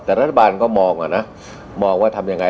แต่รัฐบาลก็มองอ่ะนะมองว่าทำยังไง